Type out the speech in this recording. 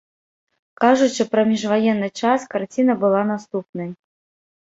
Кажучы пра міжваенны час, карціна была наступнай.